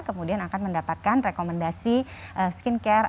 kemudian akan mendapatkan rekomendasi skin care atau rekomendasi terapi